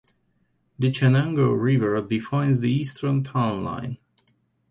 The Chenango River defines the eastern town line.